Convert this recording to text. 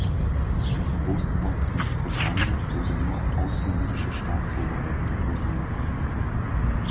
Das Großkreuz mit Collane wurde nur an ausländische Staatsoberhäupter verliehen.